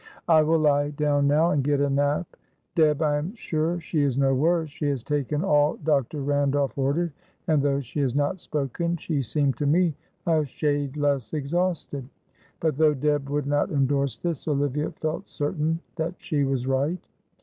"I will lie down now and get a nap. Deb, I am sure she is no worse; she has taken all Dr. Randolph ordered, and though she has not spoken, she seemed to me a shade less exhausted;" but, though Deb would not endorse this, Olivia felt certain that she was right.